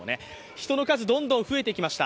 人の数、どんどん増えてきました。